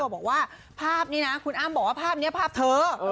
บอกว่าภาพนี้นะคุณอ้ำบอกว่าภาพนี้ภาพเธอ